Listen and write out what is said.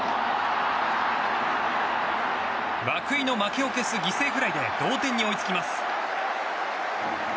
涌井の負けを消す犠牲フライで同点に追いつきます。